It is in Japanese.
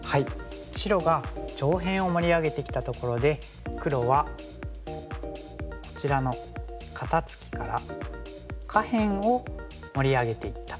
白が上辺を盛り上げてきたところで黒はこちらの肩ツキから下辺を盛り上げていったと。